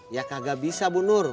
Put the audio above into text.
ya kagak bisa bu nur